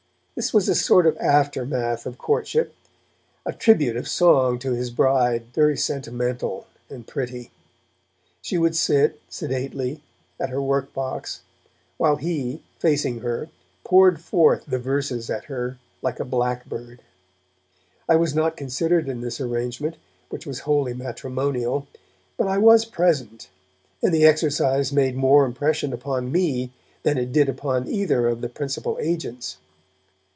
This was a sort of aftermath of courtship, a tribute of song to his bride, very sentimental and pretty. She would sit, sedately, at her workbox, while he, facing her, poured forth the verses at her like a blackbird. I was not considered in this arrangement, which was wholly matrimonial, but I was present, and the exercise made more impression upon me than it did upon either of the principal agents.